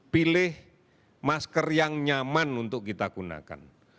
pilih masker yang nyaman untuk kita gunakan